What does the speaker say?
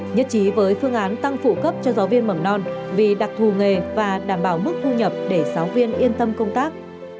nhất trí với phương án tăng phụ cấp cho giáo viên mầm non vì đặc thù nghề và đảm bảo mức thu nhập để giáo viên yên tâm công tác